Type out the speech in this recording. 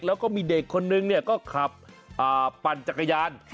แล้วก็มีเด็กคนนึงก็ขับปั่นจักรยาน